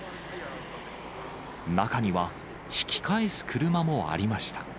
中には引き返す車もありました。